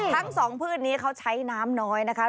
ทั้งสองพืชนี้เขาใช้น้ำน้อยนะคะ